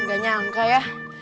gak nyangka ya